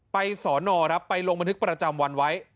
สอนอครับไปลงบันทึกประจำวันไว้